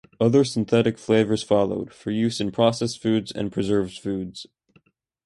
Other synthetic flavors followed for use in processed foods and preserved foods.